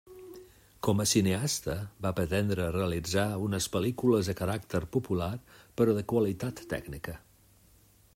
Com a cineasta va pretendre realitza unes pel·lícules de caràcter popular però de qualitat tècnica.